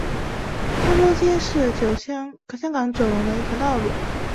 通州街是香港九龙的一条道路。